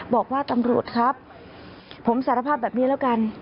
บอกว่าตำรวจครับผมสารภาพแบบนี้แล้วกัน